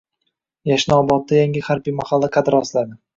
Yashnobodda yangi harbiy mahalla qad rostladi